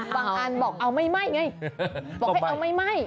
บางอันบอกเอาไม้ไม่